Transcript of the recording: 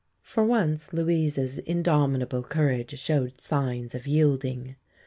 For once Louise's indomitable courage showed signs of yielding.